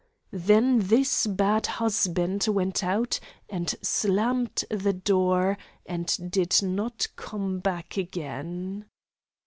Then this bad husband went out and slammed the door and did not come back again.